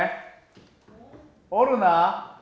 おるな。